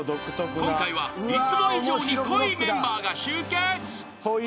［今回はいつも以上に濃いメンバーが集結］